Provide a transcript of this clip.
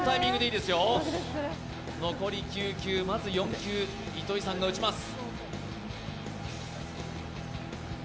まず４球、糸井さんが打ちます。